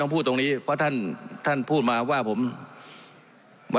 ไปฟังเสียงท่านแล้วกันค่ะ